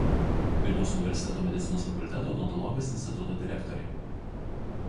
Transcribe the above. Vilniaus universiteto Medicinos fakulteto Odontologijos instituto direktorė.